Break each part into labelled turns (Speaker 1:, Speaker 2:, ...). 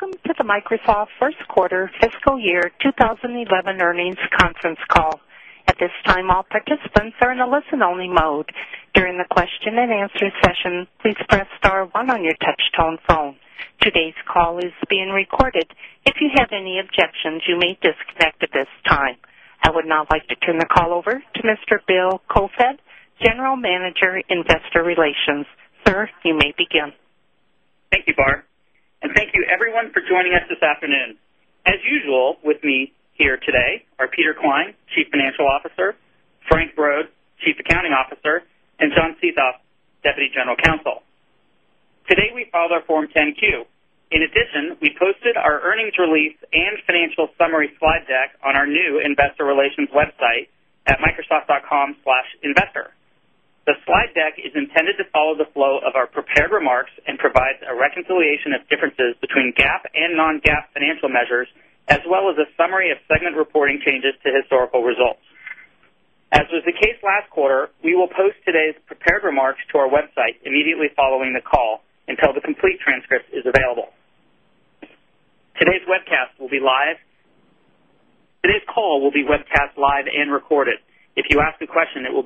Speaker 1: Welcome to the Microsoft First Quarter Fiscal Year 20 11 Earnings Conference Call. Tone phone. Today's call is being recorded. If you have any objections, you may disconnect at this time. I would now like to turn the call over to Mr. Bill Kofed, General Manager, Investor Relations. Sir, you may begin.
Speaker 2: Thank you, Bar, and thank you everyone for joining us this 18. As usual, with me here today are Peter Klein, Chief Financial Officer Frank Brode, Chief Accounting Officer and John Ciethoff, 18, Deputy General Counsel. Today, we filed our Form 10 Q. In addition, we posted our earnings release and financial summary slide deck 18. On our new Investor Relations website at microsoft.com/investor. The slide deck is intended to follow the flow of our eighteen. And provides a reconciliation of differences between GAAP and non GAAP financial measures as well as a summary of segment reporting changes to historical results. 18. As was the case last quarter, we will post today's prepared remarks to our website immediately following the call until the complete 18. Today's call will be webcast live and recorded. If you ask a question, 18.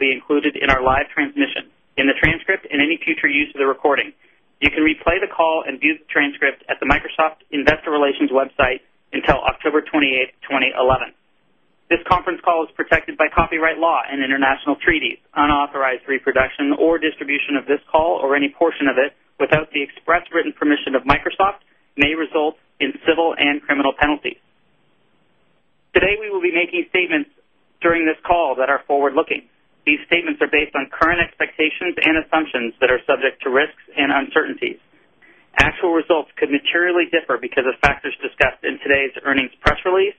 Speaker 2: You can replay the call and view the transcript 18. At the Microsoft Investor Relations website until October 28, 2011. This conference call is protected by copyright law and international treaties, unauthorized 18. Production or distribution of this call or any portion of it without the expressed written permission of Microsoft may result in civil 18. Today, we will be making statements during this call that are forward looking. These statements are based on current 18. Actual results could materially differ because of factors discussed in today's earnings press release,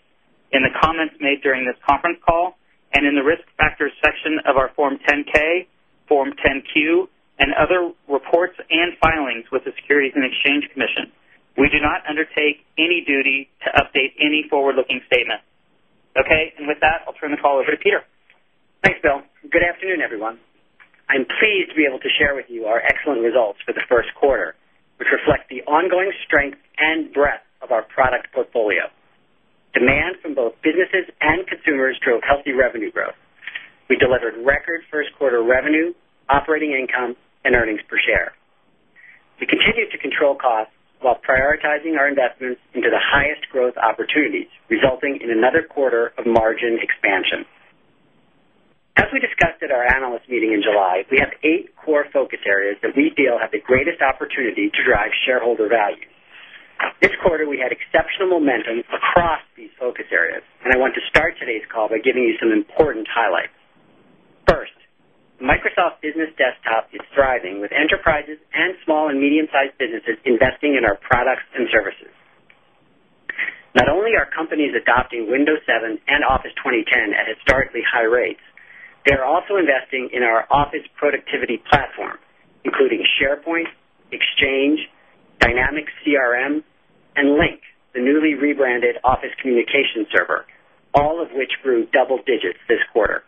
Speaker 2: 18. In the comments made during this conference call and in the Risk Factors section of our Form 10 ks, Form 10 Q 18 and other reports and filings with the Securities and Exchange Commission. We do not undertake any duty to update any forward looking statement. Okay. And with that, I'll turn Thanks, Bill. Good afternoon, everyone. I'm pleased to be able to share with you our excellent results for the Q1, which reflect the ongoing strength 18. And breadth of our product portfolio. Demand from both businesses and consumers drove healthy revenue growth. We delivered record 18. 1st quarter revenue, operating income and earnings per share. We continue to control costs, while prioritizing our investments into the highest 18. Welcome to the Microsoft First Quarter Fiscal Year twenty eighteen.
Speaker 3: As we
Speaker 2: discussed at our Analyst Meeting in July, we have 8 core focus areas that we feel have The greatest opportunity to drive shareholder value. This quarter, we had exceptional momentum across these focus areas and I want to start today's call by giving you some important highlights. 18. 1st, Microsoft Business Desktop is thriving with enterprises and small and medium sized businesses investing in our products 18. Not only are companies adopting Windows 7 and Office 2010 at historically high rates, they are also investing in our Office 18 Productivity Platform, including SharePoint, Exchange, Dynamics CRM and Link, the newly rebranded Office Communications Server, 18, all of which grew double digits this quarter.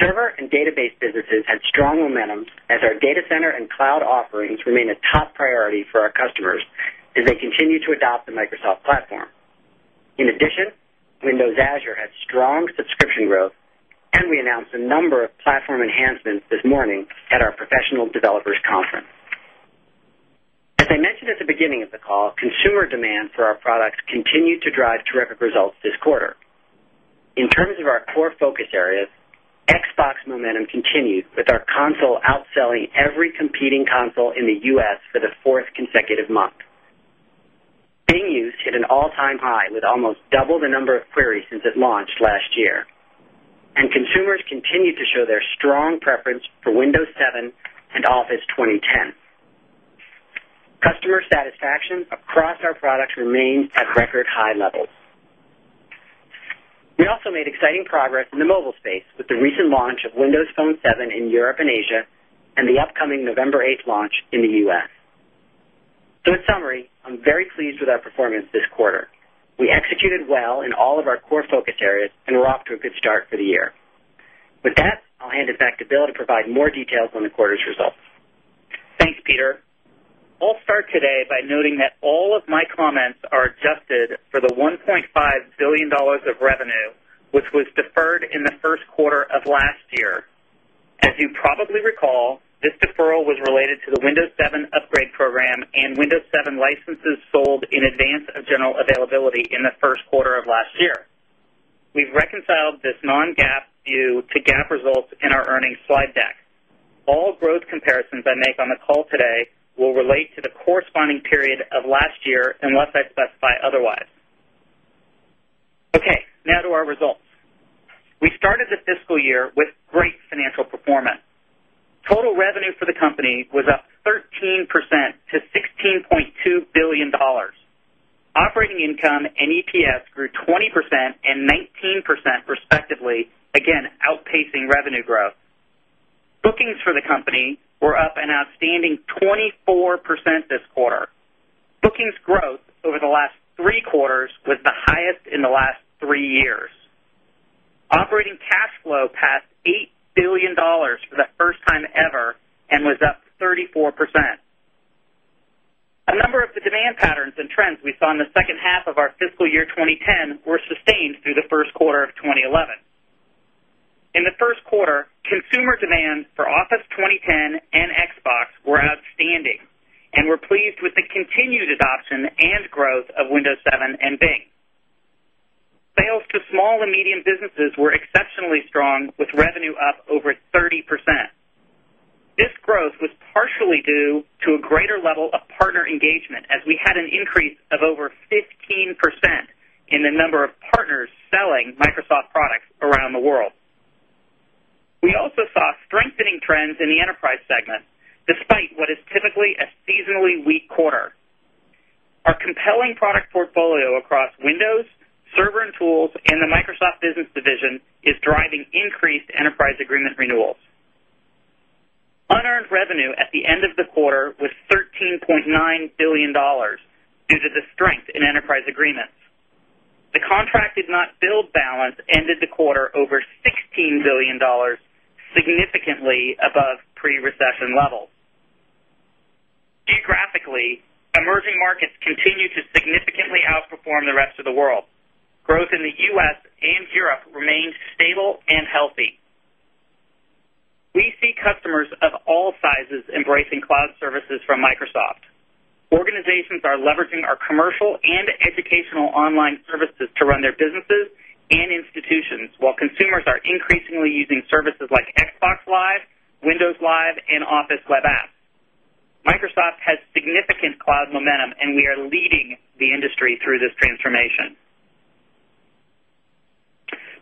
Speaker 2: Server and database businesses had strong momentum as our data center 18. And cloud offerings remain a top priority for our customers as they continue to adopt the Microsoft platform. 18. Windows Azure had strong subscription growth and we announced a number of platform enhancements this morning at our 18. As I mentioned at the beginning of the call, consumer demand for our products continue 18. In terms of our core focus areas, Xbox momentum continued with our console outselling 18. Every competing console in the U. S. For the 4th consecutive month. Bing used hit an all time high with almost double the number of queries 18. And consumers continue to show their strong preference for Windows 7 and Office 2010. 11. Customer satisfaction across our products remains at record high levels. 18. We also made exciting progress in the mobile space with the recent launch of Windows Phone 7 in Europe and Asia and the upcoming November 8 18 Launch in the U. S. So in summary, I'm very pleased with our performance this quarter. We executed well in all of our core focus areas and we're off to a good start eighteen. With that, I'll hand it back to Bill to provide more details on the quarter's results. Thanks, Peter. 18. I'll start today by noting that all of my comments are adjusted for the $1,500,000,000 of revenue, which was deferred 18. As you probably recall, this deferral was related to the Windows 7 upgrade 18. And Windows 7 licenses sold in advance of general availability in the Q1 of last year. We've reconciled this non GAAP 18. Thank you, Steve. Thank you, Steve. Thank you, Steve. Thank you, Steve. Good afternoon, everyone. 18. Okay. Now to our results. We started the fiscal year with great financial 18. Total revenue for the company was up 13% to $16,200,000,000 18. Operating income and EPS grew 20% 19%, respectively, again outpacing revenue growth. 18. Bookings for the company were up an outstanding 24% this quarter. Bookings growth over the last three quarters was
Speaker 3: 18. The highest in the last 3 years.
Speaker 2: Operating cash flow passed $8,000,000,000 for the first time ever
Speaker 3: 18. And was up 34%.
Speaker 2: A number of the demand patterns and trends we saw in the second half of our fiscal year twenty 18. Sustained through the Q1 of 2011. In the Q1, consumer demand for Office 2010 and Xbox were outstanding, 18. And we're pleased with the continued adoption and growth of Windows 7 and Bing. Sales to small and medium businesses were exceptionally 18. With revenue up over 30%. This growth was partially due to a greater level of partner engagement as we had an increase of over 18% in the number of partners selling Microsoft products around the world. We also saw strengthening trends in the Enterprise 18. Despite what is typically a seasonally weak quarter, our compelling product portfolio across Windows, Server and Tools and the Microsoft Business 18. Unearned revenue at the end of the quarter was $13,900,000,000 18. Due to the strength in enterprise agreements, the contracted not billed balance ended the quarter over $16,000,000,000
Speaker 3: 18.
Speaker 2: 18. Growth in the U. S. And Europe remained stable and healthy. We see 18 customers of all sizes embracing cloud services from Microsoft. Organizations are leveraging our commercial and educational online 18. To run their businesses and institutions, while consumers are increasingly using services like Xbox Live, Windows Live 18. Microsoft has significant cloud momentum and we are leading the industry through this transformation.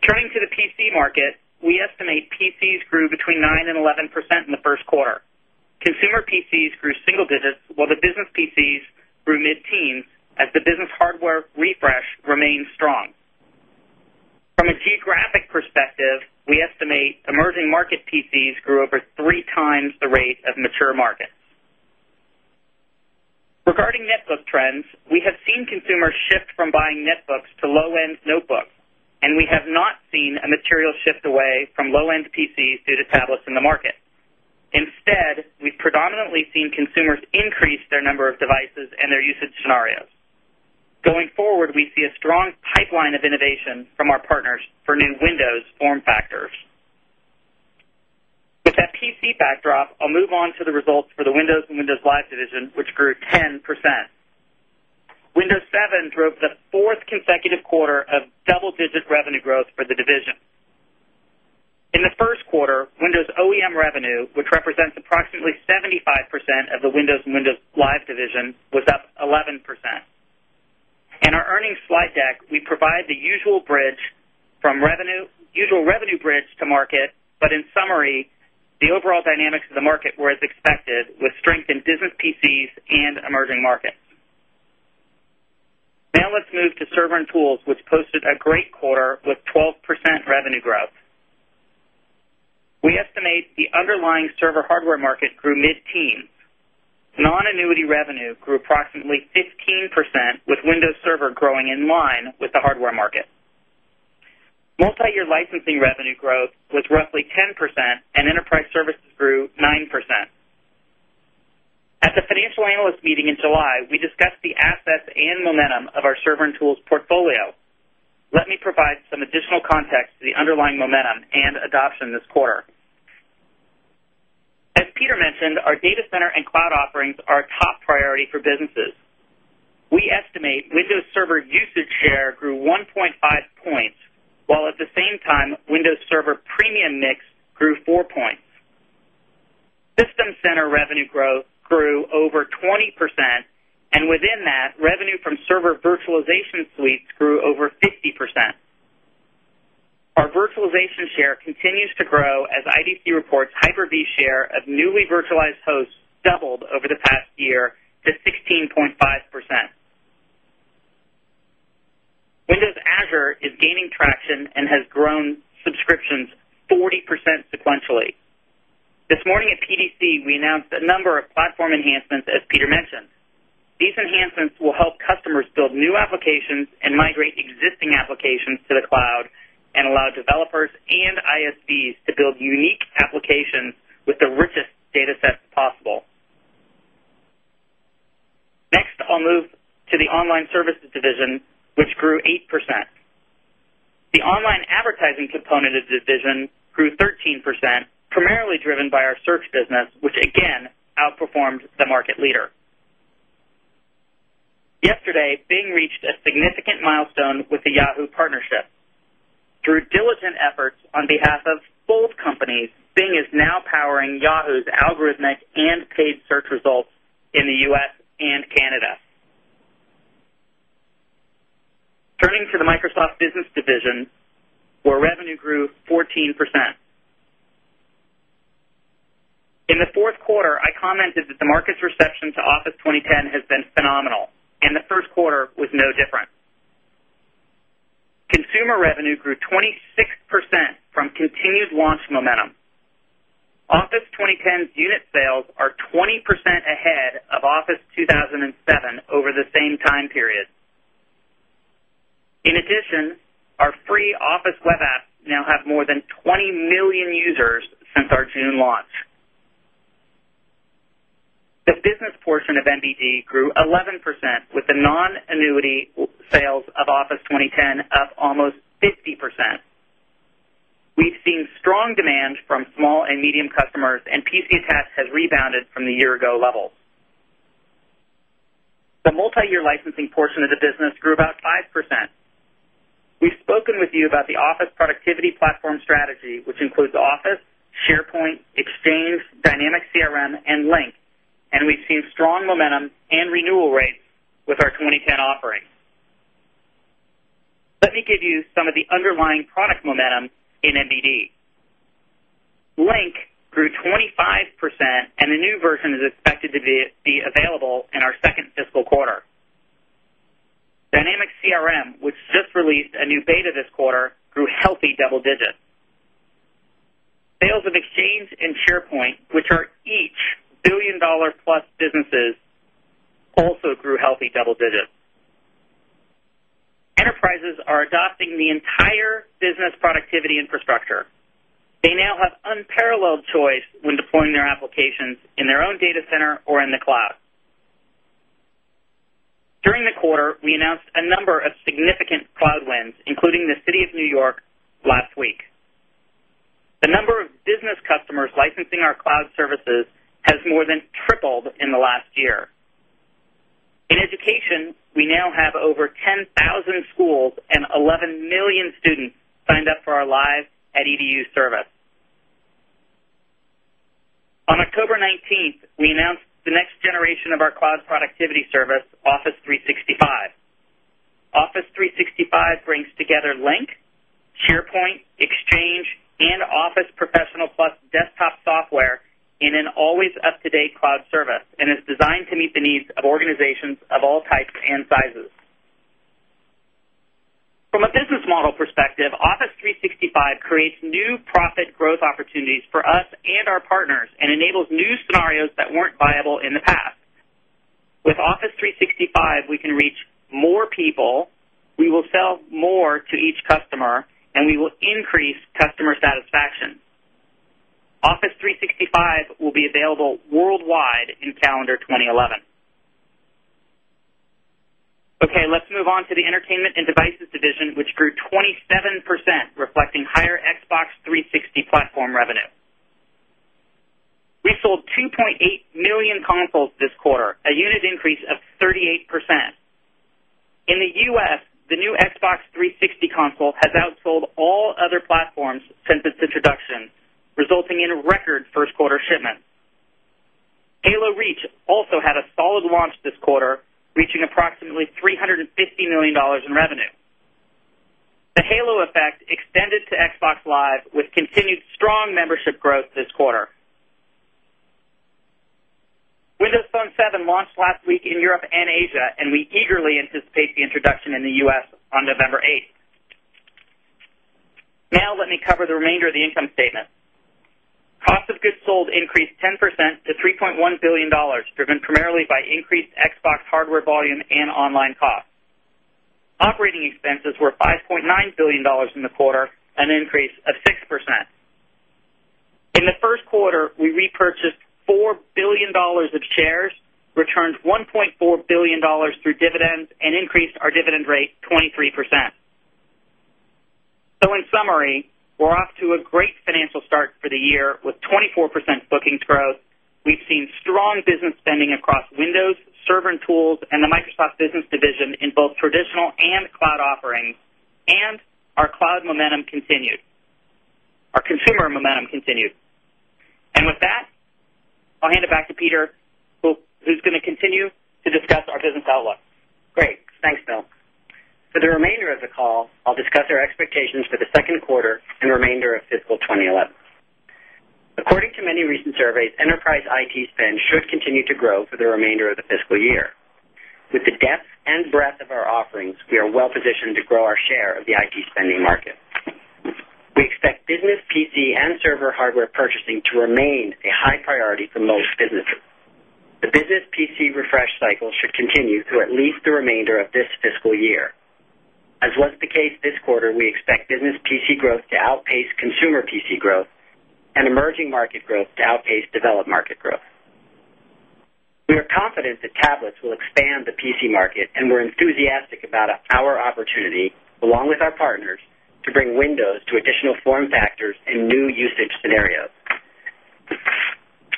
Speaker 2: Turning to the PC 18. Turning to the PC market. We estimate PCs grew between 9% and 11% in the 1st quarter. 18. Consumer PCs grew single digits, while the business PCs grew mid teens as the business hardware refresh remained strong.
Speaker 3: 18.
Speaker 2: From a geographic perspective, we estimate emerging market PCs grew over 3 times the rate of mature markets. Regarding net 18. We have seen consumers shift from buying netbooks to low end notebooks and we have not seen a material shift away
Speaker 3: 18. From low end PCs due to tablets in the market.
Speaker 2: Instead, we've predominantly seen consumers increase their number of devices and their usage scenarios. Going forward, 18. We see a strong pipeline of innovation from our partners for new Windows form factors. With that PC backdrop, 18. I'll move on to the results for the Windows and Windows Live division, which grew 10%. Windows 7 drove the 4th consecutive quarter of 18. Double digit revenue growth for the division. In the Q1, Windows OEM revenue, which represents approximately 18. 75% of the Windows and Windows Live division was up 11%. In our earnings slide deck, we provide the usual bridge from 18. Usual revenue bridge to market, but in summary, the overall dynamics of the market were as expected with strength in business PCs 18 and Emerging Markets. Now let's move to server and tools, which posted a great quarter with 12% revenue growth. 11. We estimate the underlying server hardware market grew mid teens. Non annuity revenue grew approximately 15% with Windows Server 18. Multi year licensing revenue growth was roughly 10% and Enterprise Services grew 9%. 18. At the Financial Analyst Meeting in July, we discussed the assets and momentum of our server and tools portfolio. Let me provide some additional context 18. As Peter mentioned, our data center and cloud offerings are top priority for businesses. 18. We estimate Windows Server usage share grew 1.5 points, while at the same time Windows Server premium mix grew 4 18. System Center revenue growth grew over 20% and within that revenue 18. Our virtualization share continues to grow as IDC 18 Reports Hyper V Share of Newly Virtualized Hosts Doubled Over the Past Year TO 16.5%. 18. Windows Azure is gaining traction and has grown subscriptions 40% sequentially. This morning at PDC, we announced a number of platform enhancements, 18, as Peter mentioned. These enhancements will help customers build new applications and migrate existing applications to the cloud and allow developers 18. Next, I'll move 18. To the Online Services division, which grew 8%. The Online Advertising component of the division grew 13%, primarily driven by our search business, which again outperformed the market leader. Yesterday, Bing reached 18 milestone with the Yahoo! Partnership. Through diligent efforts on behalf of both companies, Bing is now 18. Yahoo! Algorithmic and paid search results in the U. S. And Canada. 18. Turning to the Microsoft Business division, where revenue grew 14%. In the 4th quarter, I The market's reception to Office 2010 has been phenomenal and the Q1 was no different. Consumer revenue grew 26% 18. Welcome to the Microsoft First Quarter Fiscal Year 20 18. In addition, our free Office web app now have more than 20,000,000 users since our June launch. 11. The business portion of MBD grew 11% with the non annuity sales of Office 2010 up almost 50%. Eighteen. We've seen strong demand from small and medium customers and PC attach has rebounded from the year ago levels. 18. The multi year licensing portion of the business grew about 5%. We've spoken with you about the Office productivity 18. Which includes Office, SharePoint, Exchange, Dynamics CRM and Link and we've seen strong momentum and renewal rates 18. Let me give you some of the underlying product momentum in NBD. 18. Link grew 25% and the new version is expected to be available in our 2nd fiscal quarter. 11. Dynamic CRM, which just released a new beta this quarter grew healthy double digits. Sales of Exchange 18. And SharePoint, which are each $1,000,000,000 plus businesses also grew healthy double digits. 18. Enterprises are adopting the entire business productivity infrastructure. They now have unparalleled choice when deploying their applications in their own data center 18. During the quarter, we announced a number of significant cloud wins, including the City of New York last 18. The number of business customers licensing our cloud services has more than tripled in the last year. 18. In education, we now have over 10,000 schools and 11,000,000 students signed up for our live edu service. 11. On October 19, we announced the next generation of our cloud productivity service Office 365. 18. Office 365 brings together LINC, SharePoint, Exchange and Office Professional Plus 18. Desktop Software in an Always Up to Date Cloud Service and is designed to meet the needs of organizations of all types and sizes. 18. From a business model perspective, Office 365 creates new profit growth opportunities for us and our partners and enables new scenarios that weren't viable in the past. 18. With Office 365, we can reach more people, we will sell more to each customer and we will increase customer satisfaction. 11. Office 365 will be available worldwide in calendar 2011. 18. Okay. Let's move on to the Entertainment and Devices division, which grew 27%, reflecting higher Xbox 360 platform revenue. 11. We sold 2,800,000 consoles this quarter, a unit increase of 38%. In the U. S, 18. The new Xbox 360 console has outsold all other platforms since its introduction, resulting in record 18. Halo Reach also had a solid launch this quarter, reaching approximately $350,000,000 in revenue. 18. The halo effect extended to Xbox Live with continued strong membership growth this quarter. 18. Windows Phone 7 launched last week in Europe and Asia and we eagerly anticipate the introduction in the U. 18. Now let me cover the remainder of the income statement. Cost of goods sold increased 10 18. 18. Expenses were $5,900,000,000 in the quarter, an increase of 6%. In the Q1, we repurchased $4,000,000,000 of shares, 18. Returned $1,400,000,000 through dividends and increased our dividend rate 23%. 18. So in summary, we're off to a great financial start for the year with 24% bookings growth. We've seen strong business spending across Windows, 18. And with that, I'll hand it back to Peter, eighteen. And with that, I'll hand it back to Peter, who's going to continue to discuss our business outlook. Great. 18. Thanks, Bill. For the remainder of the call, I'll discuss our expectations for the Q2 and remainder of fiscal 2011. 18. According to many recent surveys, enterprise IT spend should continue to grow for the remainder of the fiscal year. With the depth and breadth of our offerings, 18. We are well positioned to grow our share of the IT spending market. We expect business PC and server hardware purchasing to remain a high priority for most businesses. 18. The business PC refresh cycle should continue through at least the remainder of this fiscal year. As was the case 18. This quarter, we expect business PC growth to outpace consumer PC growth and emerging market growth to outpace developed market growth. 18. We are confident that tablets will expand the PC market and we're enthusiastic about our opportunity along with our partners 18. To additional form factors and new usage scenarios.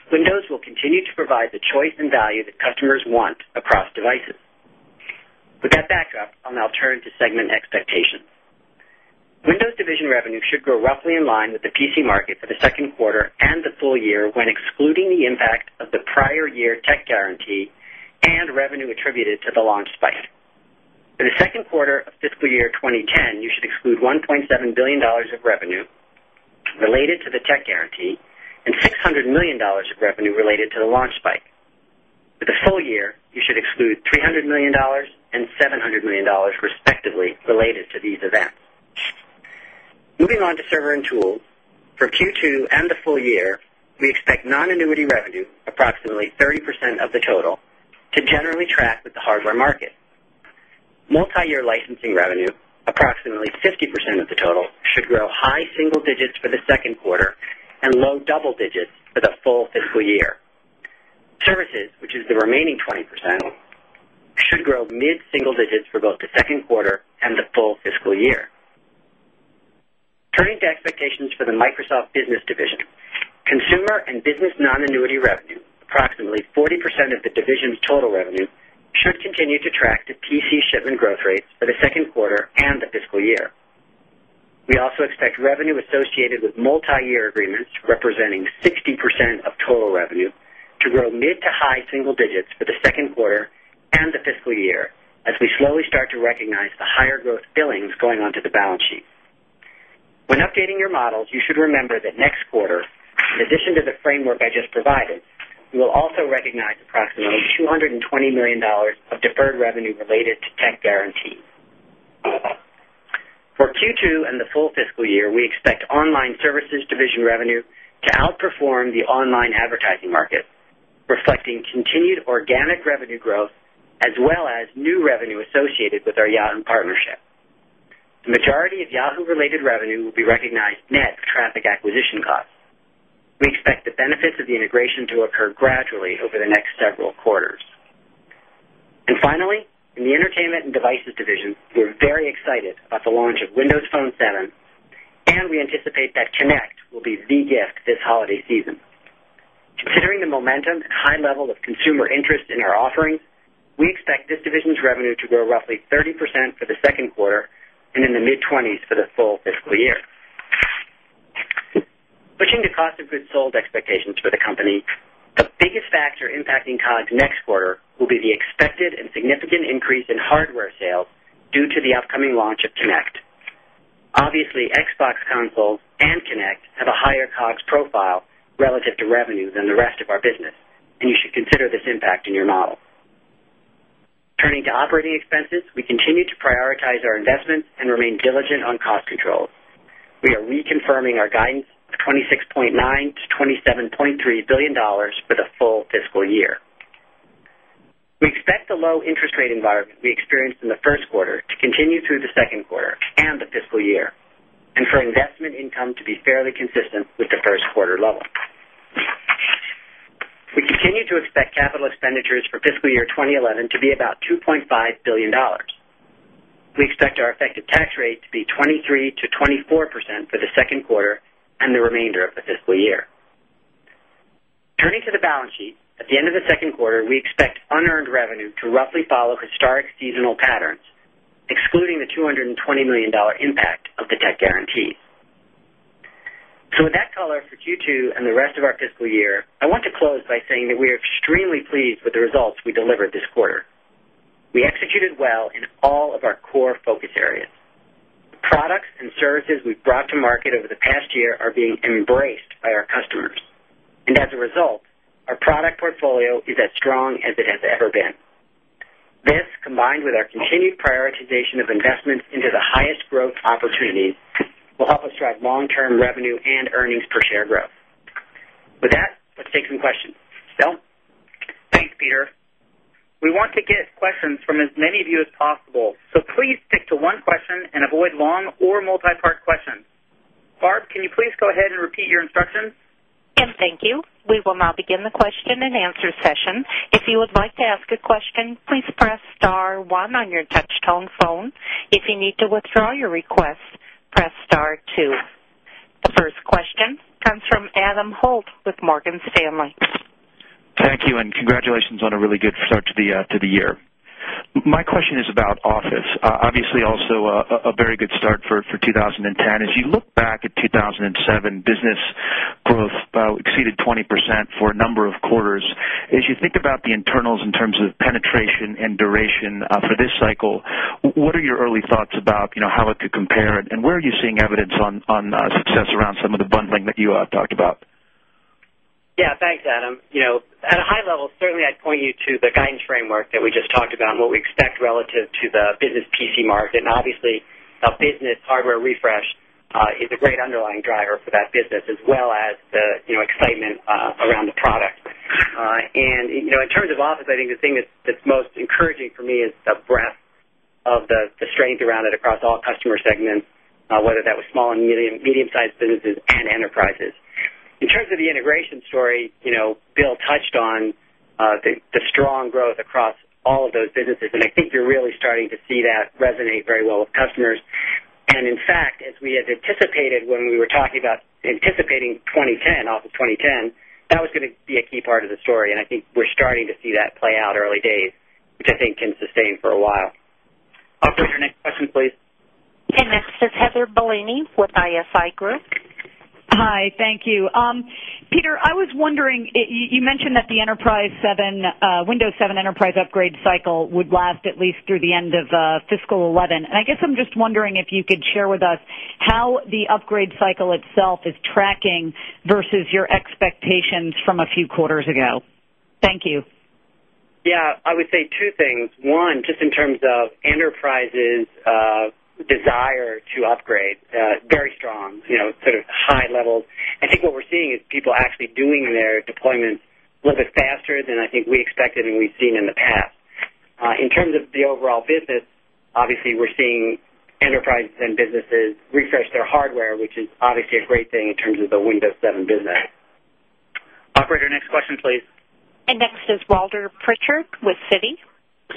Speaker 2: Windows will continue to provide the choice and value that customers want 18. With that backdrop, I'll now turn to segment expectations. Windows division revenue should grow roughly in line with 18. 18. For the Q2 of fiscal year 2010, you should exclude $1,700,000,000 of revenue related to the tech nineteen and $600,000,000 of revenue related to the launch spike. For the full year, you should exclude $300,000,000 18 $700,000,000 respectively related to these events. Moving on to server and tools. For Q2 and the full year, 18. We expect non annuity revenue, approximately 30% of the total, to generally track with the hardware market. Multi year licensing revenue, 18. Approximately 50% of the total should grow high single digits for the 2nd quarter and low double digits for the full fiscal year. 18 Services, which is the remaining 20%, should grow mid single digits for both the Q2 and the full fiscal year. 18. Turning to expectations for the Microsoft Business division. Consumer and business non annuity revenue, approximately 40% of the division's total revenue, 18. We also expect revenue associated with multiyear 18. Representing 60% of total revenue to grow mid to high single digits for the 2nd quarter and the fiscal year 18. As we slowly start to recognize the higher growth billings going on to the balance sheet. When updating your models, you should remember that next 18. In addition to the framework I just provided, we will also recognize approximately $220,000,000 of deferred revenue related to 18. For Q2 and the full fiscal year, we expect 18. The 11. Majority of Yahoo! Related revenue will be recognized net traffic acquisition costs. We expect the benefits of the integration to occur gradually 18. And finally, in the Entertainment and Devices division, we're very excited about the launch of Windows Phone 7 18. And we anticipate that Connect will be the gift this holiday season. Considering the momentum and high level of consumer interest in our offerings, we expect 18. This division's revenue to grow roughly 30% for the 2nd quarter and in the mid-20s for the full fiscal year. Pushing the cost of goods sold expectations for the company, the biggest factor impacting COGS next quarter will be the expected and significant increase in hardware sales 18 due to the upcoming launch of Kinect. Obviously, Xbox console and Kinect have a higher COGS profile relative to revenue than the rest of our business eighteen. Turning to operating expenses. We continue to prioritize our investments and remain diligent on cost control. 18. We are reconfirming our guidance of $26,900,000,000 to $27,300,000,000 for the full fiscal year. 18. We expect the low interest rate environment we experienced in the Q1 to continue through the Q2 and the fiscal year and for investment income to be fairly 18. We continue to expect capital expenditures for fiscal year 2011 to be about $2,500,000,000 18. We expect our effective tax rate to be 23% to 24% for the 2nd quarter and the remainder of the fiscal year. 18. Turning to the balance sheet. At the end of the second quarter, we expect unearned revenue to roughly follow historic seasonal patterns, excluding the 2 18. So with that color for Q2 and the rest of our fiscal year, I want to close by saying that we are 18. I'm extremely pleased with the results we delivered this quarter. We executed well in all of our core focus areas. 18. Products and services we've brought to market over the past year are being embraced by our customers. And as a result, our product portfolio is as strong as it has ever been. 18. This combined with our continued prioritization of investments into the highest growth opportunities will help us drive long term revenue 18 Earnings Per Share Growth. With that, let's take some questions. Phil? Thanks, Peter. We want to get 18. Barb, can you please go ahead and repeat your instructions?
Speaker 1: 18. Thank you. We will now begin the question and answer session. Eighteen. The first question comes from Adam Holt with Morgan Stanley. 18.
Speaker 4: Thank you and congratulations on a really good start to the year. My question is about Office. Obviously, also a very good start for 20 18. As you look back at 2,007 business growth exceeded 20% for a number of quarters. As you think about the internals in terms of penetration 18. And duration for this cycle, what are your early thoughts about how it could compare it? And where are you seeing evidence on success around some of the bundling that you talked about?
Speaker 2: 18. Yes. Thanks, Adam. At a high level, certainly, I'd point you to the guidance framework that we just talked about and what we expect relative to the business PC market. And obviously, 18. Our business hardware refresh is a great underlying driver for that business as well as the excitement around the product. 18. And in terms of Office, I think the thing that's most encouraging for me is the breadth of the strength around it across all customer segments, whether that 18. In terms of the integration story, Bill touched on the strong growth across all of those businesses. I think you're really starting to see that resonate very well with customers. And in fact, as we had anticipated when we were talking about anticipating 2010, off of 2010, 18. That was going to be a key part of the story. And I think we're starting to see that play out early days, which I think can sustain for a while. Operator, next question please.
Speaker 1: Eighteen. And next is Heather Bellini with ISI Group.
Speaker 5: Hi, thank you. Peter, I was wondering, you mentioned that the Enterprise 7 and Windows 7 Enterprise Upgrade Cycle Would Last at Least Through the End of Fiscal 2011. And I guess I'm just wondering if you could share with us 18. How the upgrade cycle itself is tracking versus your expectations from a few quarters ago? Thank you.
Speaker 2: 18. Yes. I would say 2 things. 1, just in terms of enterprises' desire to upgrade, 18. Very strong, sort of high levels. I think what we're seeing is people actually doing their deployments a little bit faster than I think we expected and we've seen 18. In terms of the overall business, obviously, we're seeing enterprise and businesses refresh their hardware, which is 18. Obviously, a great thing in terms of the Windows 7 business.
Speaker 6: Operator, next question please.
Speaker 1: And next is Walter Pritchard with Citi.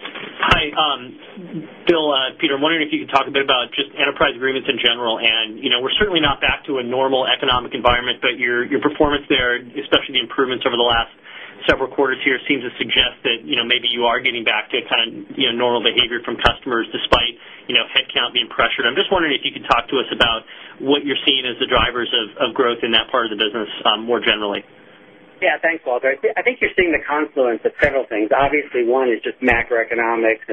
Speaker 7: Hi. Eighteen. Bill, Peter, I'm wondering if you could talk a bit about just enterprise agreements in general. And we're certainly not back to a normal economic environment, but your performance there, especially the improvements over the last 18. Several quarters here seem to suggest that maybe you are getting back to kind of normal behavior from customers despite headcount being pressured. I'm just wondering if you could talk to us about 18. What you're seeing as the drivers of growth in that part of the business more generally?
Speaker 2: Yes. Thanks, Walter. I think you're seeing the confluence of several things. Obviously, one is just macroeconomics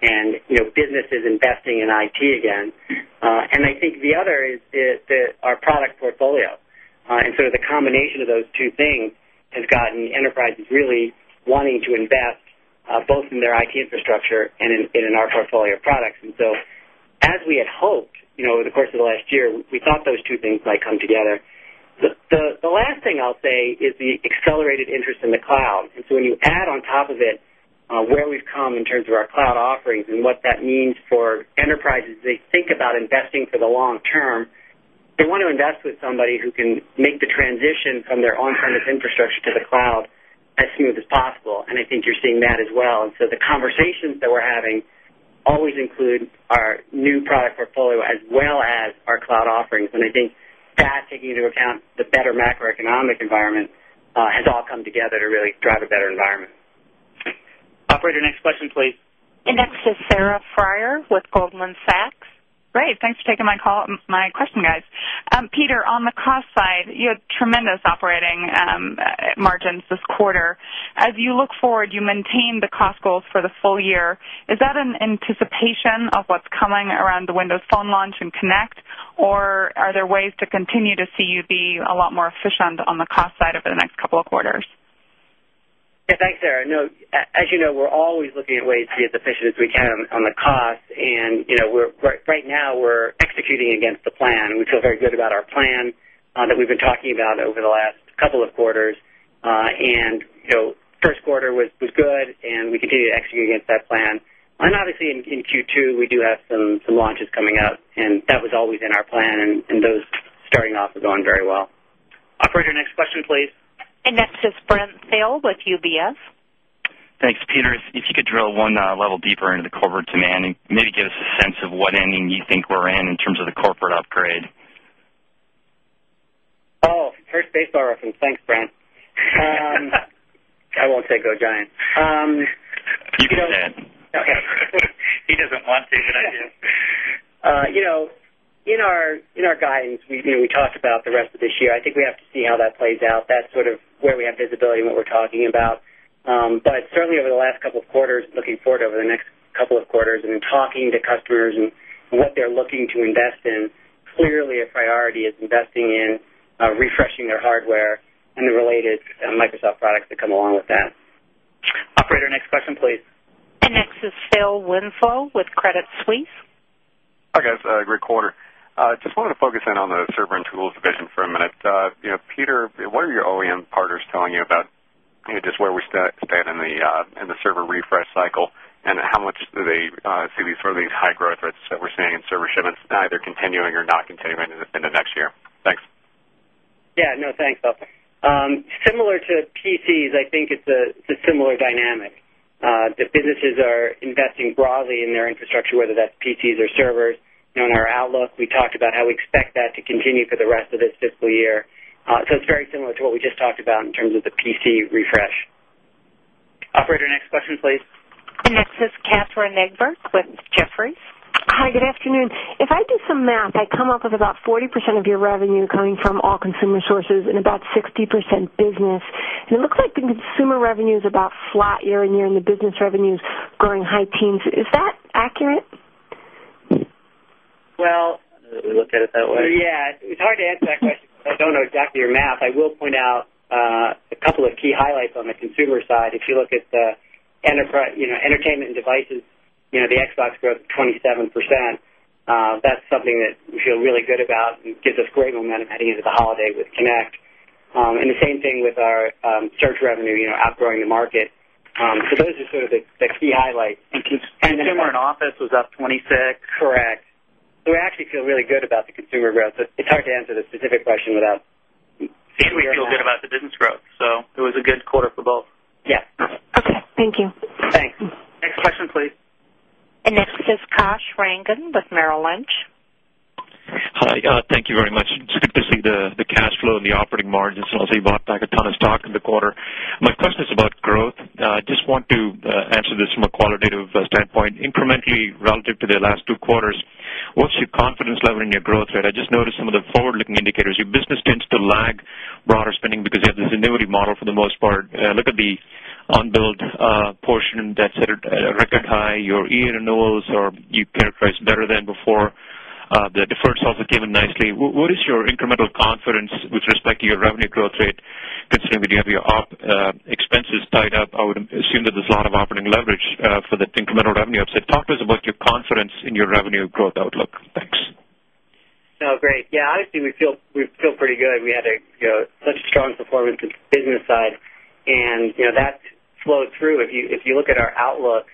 Speaker 2: 18. Business is investing in IT again. And I think the other is our product portfolio. 18. And so the combination of those two things has gotten enterprises really wanting to invest both in their IT 18 Infrastructure and in our portfolio of products. And so as we had hoped over the course of the last year, we thought those two things might come together. 18. The last thing I'll say is the accelerated interest in the cloud. And so when you add on top of it, where we've come in terms of our cloud offerings and what that means for 18. Enterprises, they think about investing for the long term. They want to invest with somebody who can make the transition from their on premise infrastructure 18. And I think you're seeing that as well. And so the conversations that we're having always include our new product portfolio as well as our eighteen. And I think that taking into account the better macroeconomic environment has all come together to really drive a better environment.
Speaker 6: Operator, next question please.
Speaker 2: Eighteen. And this is Sarah Friar with Goldman Sachs.
Speaker 8: Great. Thanks for taking my call my question guys. Peter, on the cost side, you had tremendous operating 18 Margins This Quarter. As you look forward, you maintain the cost goals for the full year. Is that an anticipation of what's coming around the Windows Phone launch 18 Connect or are there ways to continue to see you be a lot more efficient on the cost side over the next couple of quarters?
Speaker 2: Yes. Thanks, Sarah. No, as you know, we're always looking at ways to 18. Looking at ways to be as efficient as we can on the cost. And right now, we're executing against the plan. We feel very good about our plan that we've been talking about over the last 18. Couple of quarters. And Q1 was good and we continue to execute against that plan. And obviously in 18. Q2, we do have some launches coming up and that was always in our plan and those starting off are going very well.
Speaker 6: Operator, next question please.
Speaker 1: 19. This is Brent Thill with UBS.
Speaker 2: Thanks. Peter, if you could drill one level deeper into the corporate demand and maybe give us a sense of what inning you think we're in, in terms of the corporate 11 Grid. First baseball reference. Thanks, Brent. I won't take Go Giants. 18. He doesn't want to, but I do. In our guidance, we talked about the rest of this year. I think we 18. See how that plays out. That's sort of where we have visibility and what we're talking about. But certainly over the last couple of quarters, looking forward over the next couple of quarters and 18. Talking to customers and what they're looking to invest in, clearly, a priority is investing in refreshing their hardware and the related Microsoft
Speaker 6: 18. Operator, next question please.
Speaker 1: And next is Phil Winslow with Credit Suisse.
Speaker 9: Hi guys. Great quarter. Just 18.
Speaker 3: I want to focus in on the server and tools division
Speaker 9: for a minute. Peter, what are your OEM partners telling you about just where we stand 18. And the server refresh cycle and how much do they see these sort of these high growth rates that we're seeing in server shipments either continuing or not continuing 18. And the next year. Thanks.
Speaker 2: Yes. No, thanks. Similar to PCs, I think it's a similar dynamic. The businesses are 18. Investing broadly in their infrastructure, whether that's PCs or servers. In our outlook, we talked about how we expect that to continue for the rest of this fiscal year. 18. So it's very similar to what we just talked about in terms of the PC refresh.
Speaker 6: Operator, next question please.
Speaker 1: Next 18. This is Katharine Egbert with Jefferies. Hi, good afternoon. If I do some math, I come up with about 40% of your revenue coming from all consumer sources and about 60% business. And it looks like the consumer revenue is about flat year on year and the business revenues growing high teens. Is that accurate?
Speaker 2: 18. Well, we look at it that way. Yes. It's hard to answer that question. I don't know exactly your math. I will point out a couple of key highlights on the eighteen. If you look at the Entertainment and Devices, the Xbox growth 27%. That's something that we We feel really good about and gives us great momentum heading into the holiday with Connect. And the same thing with our search revenue outgrowing the market. 18. So those are sort of the key highlights. Consumer and Office was up 26%. Correct. So we actually feel really good about the consumer growth. It's hard to answer the Specific question with that. And we feel good about the business growth.
Speaker 4: So it was a good quarter for both.
Speaker 1: Yes. Okay. Thank you. Thanks.
Speaker 6: Next question, please.
Speaker 1: 18. And next is Kash Rangan with Merrill Lynch.
Speaker 4: Hi. Thank you very much. It's good to see the cash flow and the operating margin 18. I just want to answer this from a qualitative standpoint. Incrementally, relative to the last two quarters, 18. What's your confidence level in your growth rate? I just noticed some of the forward looking indicators. Your business tends to lag broader spending because you have this annuity model for the most part. Look at the 18. Unbilled portion and debt set at record high. Your year renewals are you characterized better than before. The deferred is also given nicely. What is 18. Your incremental confidence with respect to your revenue growth rate considering that you have your expenses tied up, I would assume that there's a lot of operating leverage for that 18. Talk to us about your confidence in your revenue growth outlook. Thanks.
Speaker 2: Great. Yes, obviously, we feel pretty good. We had 18. Such strong performance in the business side and that flowed through. If you look at our outlook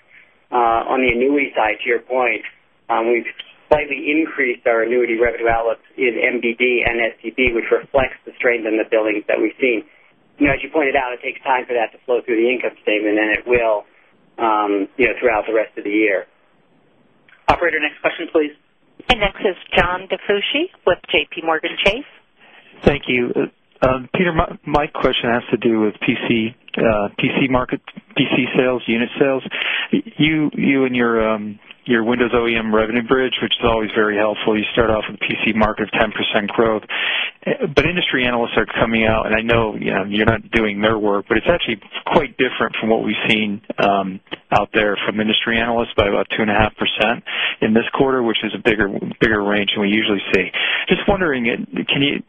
Speaker 2: on the annuity side to your point, 18. We've slightly increased our annuity revenue outlook in MDD and STB, which reflects the strength in the billings that we've seen. 18. As you pointed out, it takes time for that to flow through the income statement and it will throughout the rest of the year. Operator, next question please.
Speaker 1: And next is John Nafuchi with JPMorgan Chase.
Speaker 4: Thank you. Peter, my question has to do with PC 18. PC market PC sales, unit sales, you and your Windows OEM revenue bridge, which is always very helpful, you start off in 18. You see market of 10% growth, but industry analysts are coming out and I know you're not doing their work, but it's actually quite different from what we've seen 18. Out there from industry analysts by about 2.5% in this quarter, which is a bigger range than we usually see. Just wondering, 18.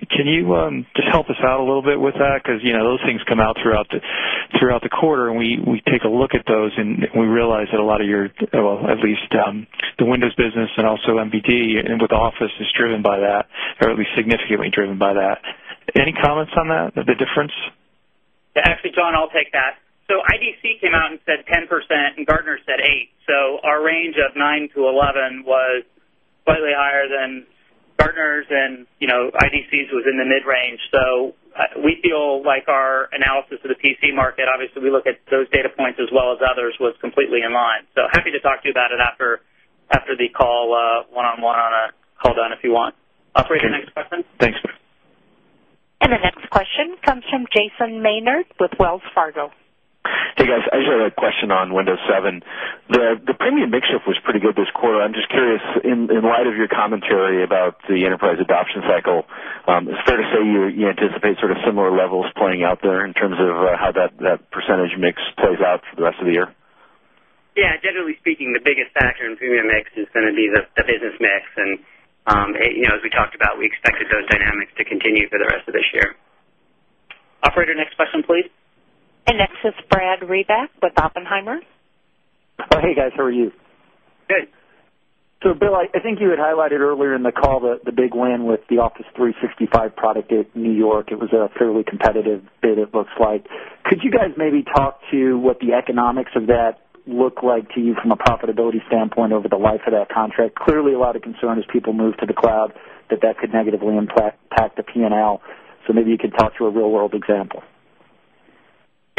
Speaker 4: Can you just help us out a little bit with that because those things come out throughout the quarter and we take a look at 18. We realize that a lot of your well, at least the Windows business and also MBT and with Office is driven by that 18. Certainly significantly driven by that. Any comments on that, the difference?
Speaker 2: Yes. Actually, John, I'll take that. So IDC came out and said 10% and Gartner said 8. 18. So our range of 9% to 11% was slightly higher than partners and IDCs was in the mid range. 18. So we feel like our analysis of the PC market, obviously, we look at those data points as well as others was completely in line. So happy
Speaker 7: to talk to you about it
Speaker 6: 18.
Speaker 1: And the next question 18 comes from Jason Maynard with Wells Fargo.
Speaker 2: Hey, guys. I just had
Speaker 4: a question on Windows 7. The premium mix shift was pretty good
Speaker 2: this quarter. I'm just curious, in light of 18.
Speaker 4: The commentary about the enterprise adoption cycle, is it fair to say you anticipate sort of similar levels playing out there in terms of how that
Speaker 2: 18. Yes. Generally speaking, the biggest factor in premium mix is going to be the business mix. And 18. As we talked about, we expected those dynamics to continue for the rest of this year. Operator, next question please.
Speaker 1: And next is Brad Reback with Oppenheimer.
Speaker 2: 11. Hey, guys. How are you? Hey. So Bill, I think you had highlighted earlier in the call that the big win with the Office 865 product at New York. It was a fairly competitive bid, it looks like. Could you guys maybe talk to what the economics of that look 18. From a profitability standpoint over the life of that contract. Clearly, a lot of concern as people move to the cloud that that could negatively impact the P and L. 18. So maybe you could talk to a real world example.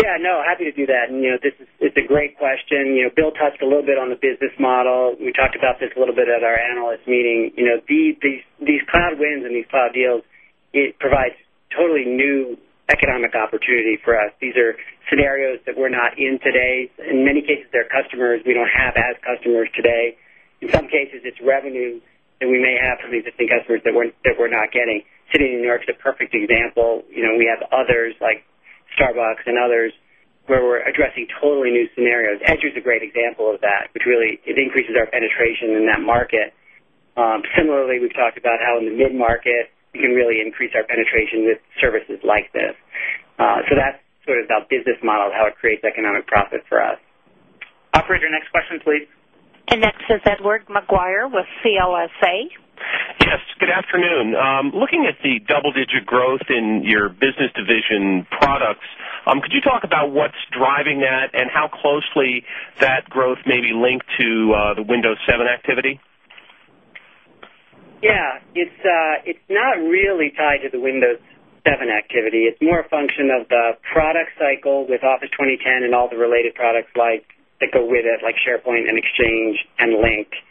Speaker 2: Yes. No, happy to do that. It's a great question. Bill touched a little bit on the business model. We talked about this a little bit at our analyst meeting. These cloud wins and these cloud deals, it provides totally new 18. Economic opportunity for us. These are scenarios that we're not in today. In many cases, they're customers. We don't have as customers today. In some cases, it's revenue 18. We may have some of the customers that we're not getting. City in New York is a perfect example. We have others like Starbucks and others 18. Where we're addressing totally new scenarios. Andrew is a great example of that, which really it increases our penetration in that market. 18. Similarly, we've talked about how in the mid market, we can really increase our penetration with services like this. So that's sort of our business model, how it creates economic profit for
Speaker 6: eighteen. Operator, next question please.
Speaker 1: And next is Edward Maguire with CLSA.
Speaker 7: Yes. Good afternoon. Looking at 18. The double digit growth in your business division products, could you talk about what's driving that and how closely 18. That growth may be linked to the Windows 7 activity?
Speaker 2: Yes. It's not really tied to the Windows 7 activity. It's more a function of the product cycle with Office 2010 and all the related products like that go with it like SharePoint and Exchange and Link. 18.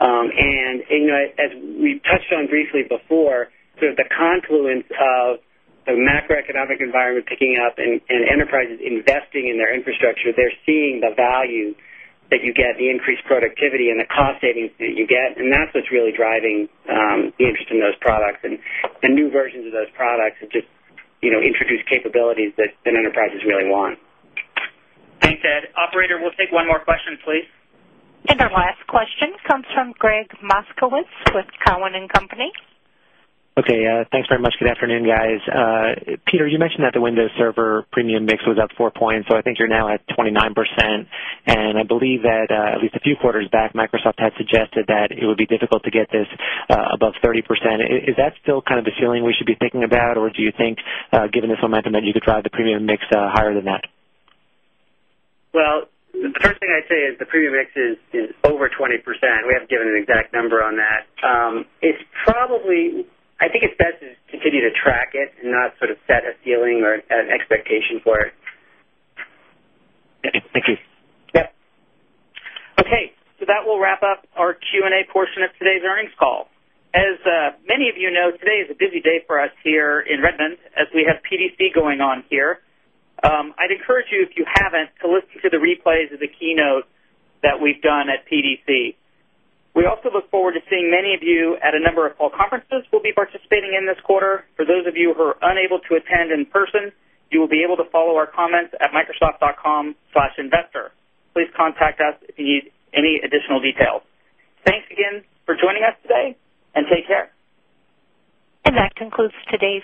Speaker 2: And as we touched on briefly before, the confluence of the macroeconomic environment 18. And Enterprise is investing in their infrastructure. They're seeing the value that you get, the increased productivity and the cost savings that you get. And that's what's really driving 18. Interest in those products and new versions of those products and just introduce capabilities that enterprises really 18. Thanks, Ed. Operator, we'll take one more question, please.
Speaker 1: And our last question comes from Gregg Moskowitz with Cowen and Company.
Speaker 4: 18. Okay. Thanks very much. Good afternoon, guys. Peter, you mentioned that the Windows Server premium mix was up 4 points. So I think you're now at 29%. 18. And I believe that at least a few quarters back Microsoft had suggested that it would be difficult to get this above 30%. Is that still kind of the feeling we should be thinking about? Or do you think Given this momentum that you could drive the premium mix higher than that.
Speaker 2: Well, the first thing I'd say is the premium mix is over 20 We haven't given an exact number on that. It's probably I think it's best to continue to track it and not sort of set a ceiling or an expectation for it. 18. Okay. So that will wrap up our Q and A portion of today's earnings call. 18. As many of you know, today is a busy day for us here in Redmond as we have PDC going on here. I'd encourage you if you haven't to listen to the replays 18. We also look forward to seeing many of you at a number of call conferences we'll be 18. For those of you who are unable to attend in person, you will be able to follow our comments at microsoft.com/investor. 18.
Speaker 1: And that concludes today's